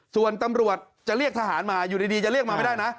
ส่วนตำรวจจะเรียกทหารมาอยู่ดีจะเรียกมาไม่ได้นะ